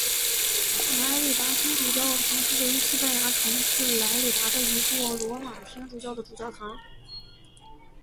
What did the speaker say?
莱里达新主教座堂是位于西班牙城市莱里达的一座罗马天主教的主教座堂。